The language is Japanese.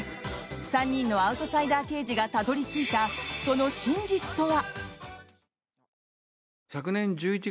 ３人のアウトサイダー刑事がたどり着いたその真実とは。